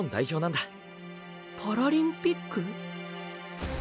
パラリンピック？